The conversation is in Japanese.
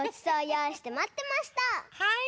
はい。